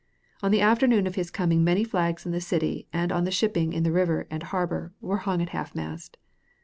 On the afternoon of his coming many flags in the city and on the shipping in the river and harbor were hung at half mast.